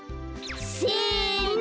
せの！